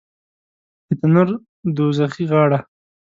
د تنور دوږخي غاړه